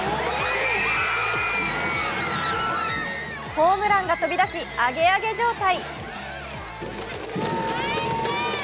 ホームランが飛び出し、アゲアゲ状態。